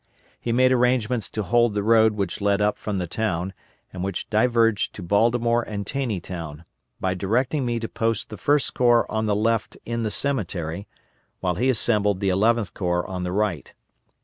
He made arrangements to hold the road which led up from the town, and which diverged to Baltimore and Taneytown, by directing me to post the First Corps on the left in the cemetery, while he assembled the Eleventh Corps on the right.